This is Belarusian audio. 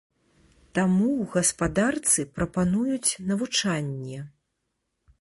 Таму ў гаспадарцы прапануюць навучанне.